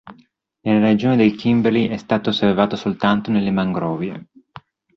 Nella regione di Kimberley è stato osservato soltanto nelle mangrovie.